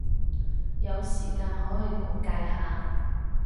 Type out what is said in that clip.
有時間可以講解下？